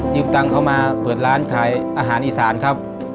ตังค์เข้ามาเปิดร้านขายอาหารอีสานครับ